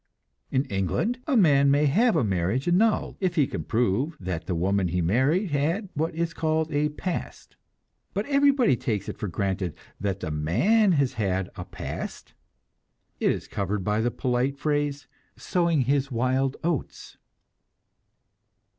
In England a man may have a marriage annulled, if he can prove that the woman he married had what is called a "past"; but everybody takes it for granted that the man has had a "past"; it is covered by the polite phrase, "sowing his wild oats."